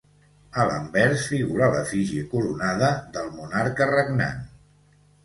A l'anvers figura l'efígie coronada del monarca regnant.